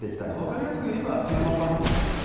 分かりやすくいえばテーマパークみたいなもの？